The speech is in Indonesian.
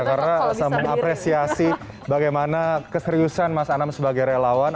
karena saya mengapresiasi bagaimana keseriusan mas anam sebagai relawan